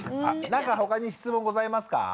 なんか他に質問ございますか？